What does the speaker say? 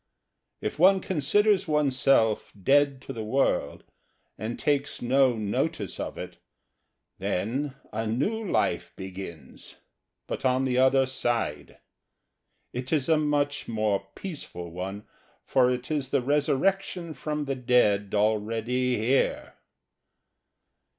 If one considers oneself dead to the world and takes no notice of it, then a new life begins, but on the other side; it is a much more peaceful one, for it is the resurrection from the dead already here!